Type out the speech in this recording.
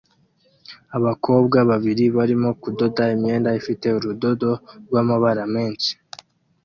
Abakobwa babiri barimo kudoda imyenda ifite urudodo rwamabara menshi